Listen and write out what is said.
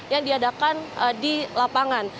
yang diadakan di lapangan